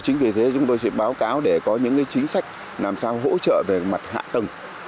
chính vì thế chúng tôi sẽ báo cáo để có những chính sách làm sao hỗ trợ về mặt hạ tầng